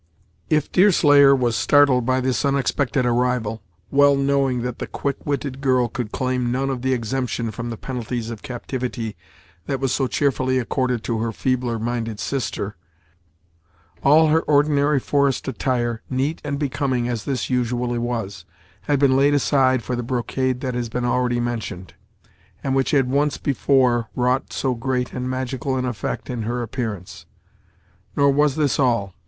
If Deerslayer was startled by this unexpected arrival, well knowing that the quick witted girl could claim none of that exemption from the penalties of captivity that was so cheerfully accorded to her feebler minded sister, he was equally astonished at the guise in which she came. All her ordinary forest attire, neat and becoming as this usually was, had been laid aside for the brocade that has been already mentioned, and which had once before wrought so great and magical an effect in her appearance. Nor was this all.